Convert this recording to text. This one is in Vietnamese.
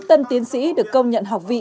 một mươi chín tân tiến sĩ được công nhận học vị